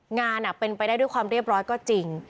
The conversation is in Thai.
งานเป็นไปได้ด้วยความเรียบร้อยก็จริง